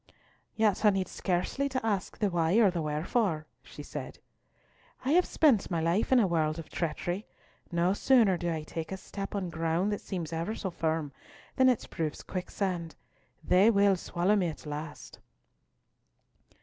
"Yet I need scarcely seek the why or the wherefore," she said. "I have spent my life in a world of treachery. No sooner do I take a step on ground that seems ever so firm, than it proves a quicksand. They will swallow me at last."